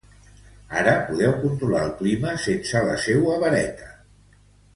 Ara, podeu controlar el clima sense la seua vareta.